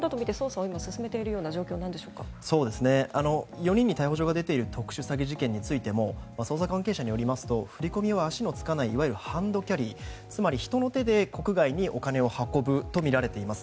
４人に逮捕状が出ている特殊詐欺事件についても捜査関係者によりますと振り込みは足のつかないいわゆるハンドキャリーつまり人の手で国外にお金を運ぶとみられています。